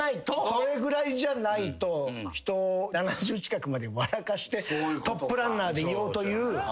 それぐらいじゃないと人を７０近くまで笑かしてトップランナーでいようという。